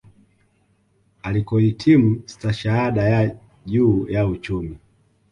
Alikohitimu stashahada ya juu ya uchumi